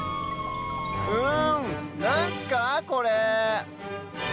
うんなんすかこれ？